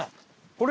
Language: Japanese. これ。